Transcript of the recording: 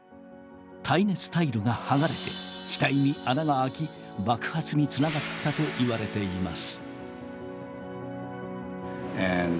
耐熱タイルが剥がれて機体に穴が開き爆発につながったといわれています。